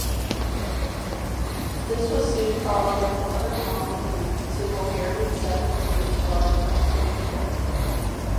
This was soon followed with another loan move to Bulgarian second tier club Neftochimic.